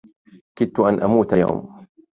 كدت أن أموت اليوم.